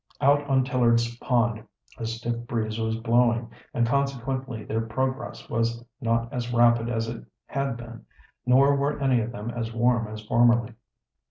Out on Tillard's Pond a stiff breeze was blowing, and consequently their progress was not as rapid as it had been, nor were any of them as warm as formerly.